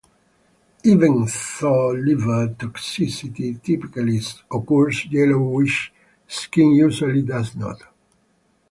Even though liver toxicity typically occurs, yellowish skin usually does not.